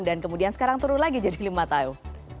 dan kemudian sekarang turun lagi jadi lima tahun